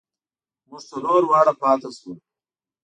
مونږ څلور واړه پاتې شولو.